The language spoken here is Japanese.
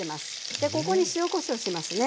でここに塩・こしょうしますね。